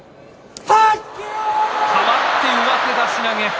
変わって上手出し投げ。